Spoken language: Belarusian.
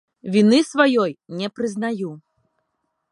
Віны сваёй не прызнаю.